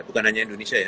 bukan hanya indonesia ya